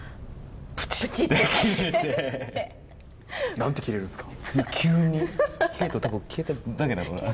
何て切れるんですか。